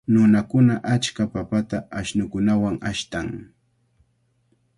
Nunakuna achka papata ashnukunawan ashtan.